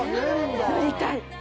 乗りたい！